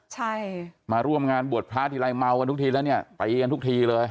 ใช่มาร่วมงานบวชพระทีไรเมากันทุกทีแล้วเนี่ยตีกันทุกทีเลย